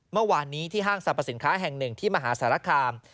เมื่อวานนี้ที่ห้างสรรพสินค้าแห่งหนึ่งที่มหาสารคาม